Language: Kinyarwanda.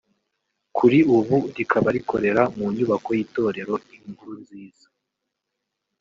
kuri ubu rikaba rikorera mu nyubako y’itorero Inkuru nziza